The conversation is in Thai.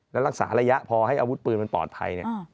แล้วรักษาระยะพอให้อาวุธปืนมันปลอดภัยเนี่ย